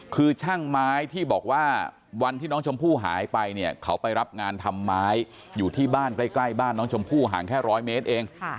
คือช่างไม้ที่บอกว่าวันที่น้องชมพู่หายไปเนี่ยเขาไปรับงานทำไม้อยู่ที่บ้านใกล้บ้านน้องชมพู่ห่างแค่ร้อยเมตรเอง